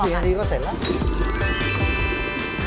พอพอกัน๓๔นาทีก็เสร็จแล้ว